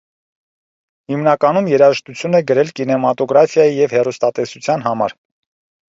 Հիմնականում երաժշտություն է գրել կինեմատոգրաֆիայի և հեռուստատեսության համար։